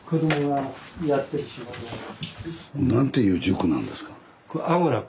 何ていう塾なんですか？